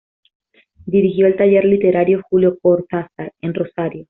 Dirigió el Taller Literario "Julio Cortázar" en Rosario.